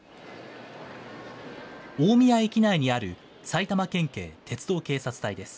大宮駅内にある埼玉県警鉄道警察隊です。